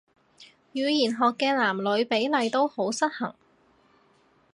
語言學嘅男女比例都好失衡